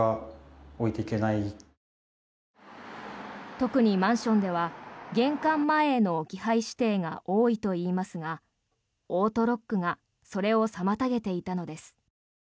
特にマンションでは玄関前への置き配指定が多いといいますがオートロックがそれを妨げていたのです。